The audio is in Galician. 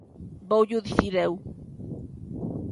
Voullo dicir eu.